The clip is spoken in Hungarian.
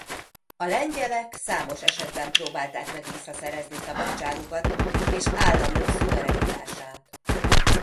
A lengyelek számos esetben próbálták meg visszaszerezni szabadságukat és államuk szuverenitását.